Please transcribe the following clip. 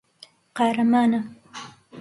قارەمانە.